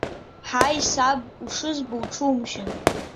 Ҳаи, саб, ушызбо уҽумшьын!